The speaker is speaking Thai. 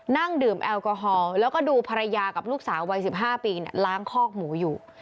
นั่งดื่มแอลกอฮอลแล้วก็ดูภรรยากับลูกสาววัย๑๕ปีล้างคอกหมูอยู่